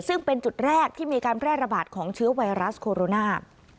ซึ่งเป็นจุดแรกที่มีการแพร่ระบาดของเชื้อไวรัสโคโรนา